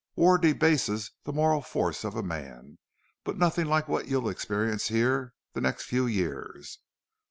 War debases the moral force of a man, but nothing like what you'll experience here the next few years.